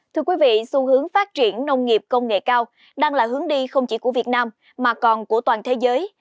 thưa quý vị xu hướng phát triển nông nghiệp công nghệ cao đang là hướng đi không chỉ của việt nam mà còn của toàn thế giới